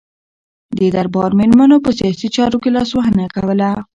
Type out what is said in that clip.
د دربار میرمنو په سیاسي چارو کې لاسوهنه کوله.